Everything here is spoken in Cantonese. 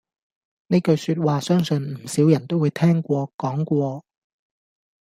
呢句說話相信唔少人都會聽過講過